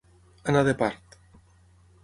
Anar de part.